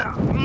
satu dua tiga